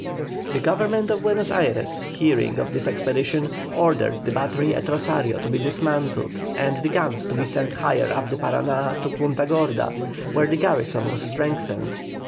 The Government of Buenos Ayres, hearing of this expedition, ordered the battery at Rosario to be dismantled and the guns to be sent higher up the Parana, to Punta Gorda, where the garrison was strengthened.